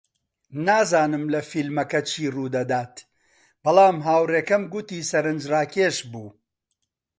نازانم لە فیلمەکە چی ڕوودەدات، بەڵام هاوڕێکەم گوتی سەرنجڕاکێش بوو.